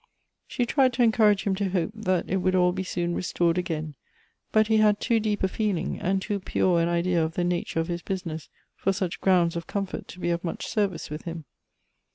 She tried to encourage him to hope that it would all be soon restored again, but he had too deep a feeling, and too pure an idea of the nature of his business, for such grounds of comfort to be of much service with him.